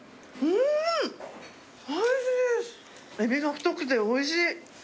エビが太くておいしい！